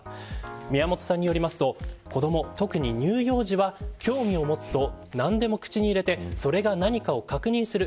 宮本さんによりますと子ども、特に乳幼児は興味を持つと何でも口に入れてそれが何かを確認する。